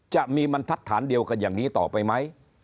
จะมีบรรทัศน์เดียวกันอย่างนี้ต่อไปไหม